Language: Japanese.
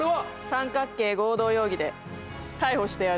三角形合同容疑で逮捕してやる。